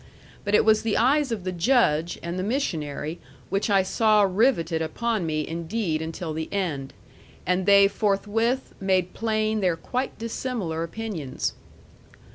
But it was the eyes of the Judge and the missionary which I saw riveted upon me indeed until the end; and they forthwith made plain their quite dissimilar opinions.